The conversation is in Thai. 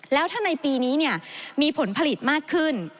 แล้วถ้าในปีนี้มีผลผลิตมากขึ้น